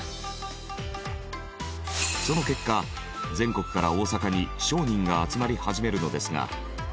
その結果全国から大阪に商人が集まり始めるのですが。